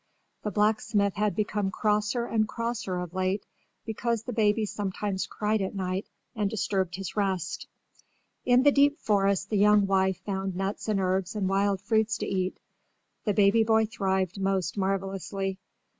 The blacksmith had become crosser and crosser of late because the baby sometimes cried at night and disturbed his rest. In the deep forest the young wife found nuts and herbs and wild fruits to eat. The baby boy thrived most marvelously.